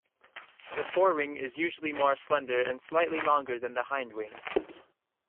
The forewing is usually more slender and slightly longer than the hindwing.